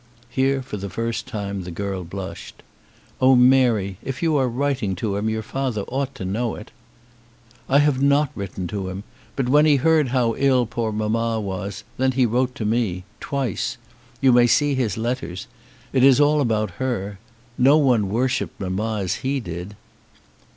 Here for the first time the girl blushed. "Oh, Mary, if you are writing to him your father ought to know it." "I have not written to him; but when he heard how ill poor mamma was, then he wrote to me twice. You may see his letters. It is all about her. No one worshipped mamma as he did."